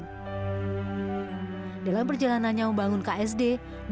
dalam perjalanannya membangun ksd novi mengalami bermacam pengalaman yang tak semuanya menyerangkan dan mengembirakan